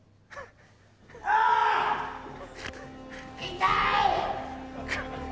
痛い！